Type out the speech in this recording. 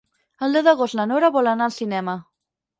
El deu d'agost na Nora vol anar al cinema.